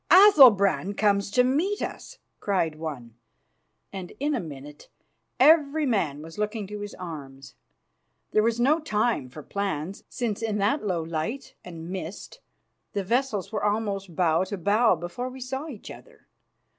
"Athalbrand comes to meet us!" cried one, and in a minute every man was looking to his arms. There was no time for plans, since in that low light and mist the vessels were almost bow to bow before we saw each other.